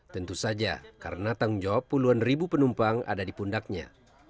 tentu saja karena tanggung jawab puluhan ribu penumpang ada di pundaknya